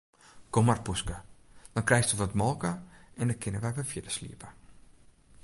Kom mar poeske, dan krijsto wat molke en dan kinne wy wer fierder sliepe.